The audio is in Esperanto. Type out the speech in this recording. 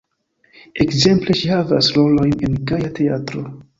Ekzemple ŝi havas rolojn en Gaja Teatro.